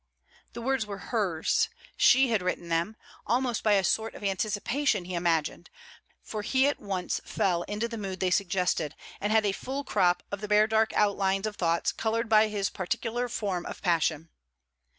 The words were hers; she had written them; almost by a sort of anticipation, he imagined; for he at once fell into the mood they suggested, and had a full crop of the 'bare dark outlines' of thoughts coloured by his particular form of passion.